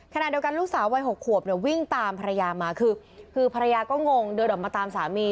ขณะเดียวกันลูกสาววัย๖ขวบเนี่ยวิ่งตามภรรยามาคือภรรยาก็งงเดินออกมาตามสามี